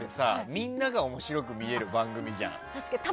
みんなが面白く見える番組じゃん。